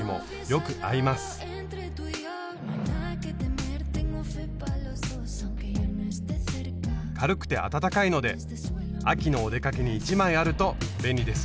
軽くて暖かいので秋のお出かけに１枚あると便利ですよ。